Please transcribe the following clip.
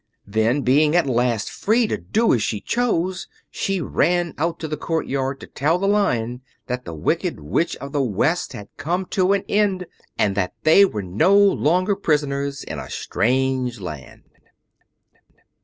Then, being at last free to do as she chose, she ran out to the courtyard to tell the Lion that the Wicked Witch of the West had come to an end, and that they were no longer prisoners in a strange land.